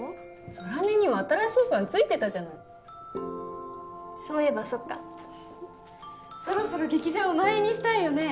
空音にも新しいファンついてたじゃないそういえばそっかそろそろ劇場を満員にしたいよね